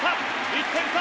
１点差！